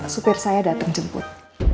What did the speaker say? supir saya datang jemput